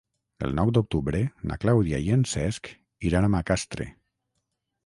El nou d'octubre na Clàudia i en Cesc iran a Macastre.